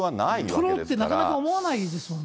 録ろうってなかなか思わないですもんね。